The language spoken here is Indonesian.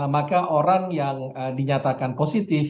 maka orang yang dinyatakan positif